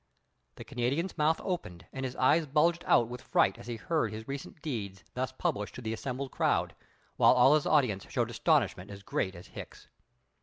The Canadian's mouth opened, and his eyes bulged out with fright as he heard his recent deeds thus published to the assembled crowd, while all his audience showed astonishment as great as Hicks's.